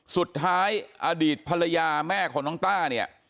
สุดท้ายอดีตภรรยาแม่ของน้องต้า